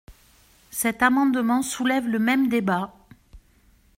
Cet amendement soulève le même débat.